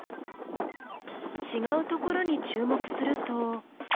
ちがうところに注目すると。